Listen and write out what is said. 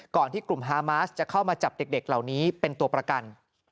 ที่กลุ่มฮามาสจะเข้ามาจับเด็กเหล่านี้เป็นตัวประกัน